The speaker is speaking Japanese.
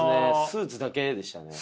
スーツだけでしたね。